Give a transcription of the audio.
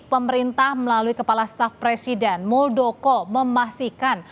pemerintah melalui kepala staf presiden muldoko memastikan